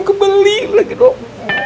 kebeli lagi dok